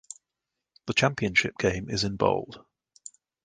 The championship game is in Bold.